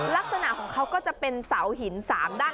ลักษณะของเขาก็จะเป็นเสาหิน๓ด้าน